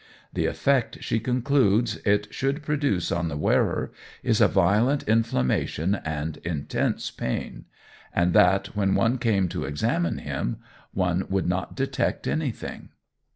"The effect," she concludes, "it should produce on the wearer is a violent inflammation and intense pain, and that when one came to examine him, one would not detect anything."